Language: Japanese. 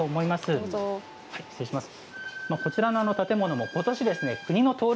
こちらの建物もことし国の登録